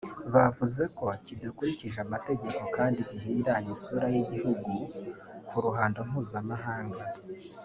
bavuze ko kidakurikije amategeko kandi gihindanya isura y’igihugu ku ruhando mpuzamahanga